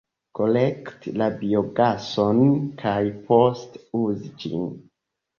Kolekti la biogason kaj poste uzi ĝin.